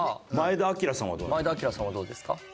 前田日明さんはどうですか？